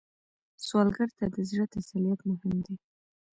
سوالګر ته د زړه تسلیت مهم دی